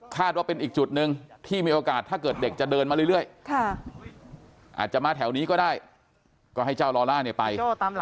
ว่าเป็นอีกจุดหนึ่งที่มีโอกาสถ้าเกิดเด็กจะเดินมาเรื่อยอาจจะมาแถวนี้ก็ได้ก็ให้เจ้าลอล่าเนี่ยไป